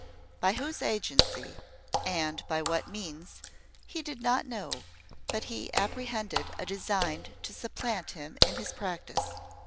By whose agency, and by what means, he did not know, but he apprehended a design to supplant him in his practice.